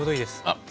あっ！